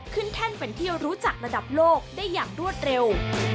แท่นเป็นที่รู้จักระดับโลกได้อย่างรวดเร็ว